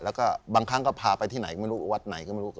แล้วก็บางครั้งก็พาไปที่ไหนไม่รู้วัดไหนก็ไม่รู้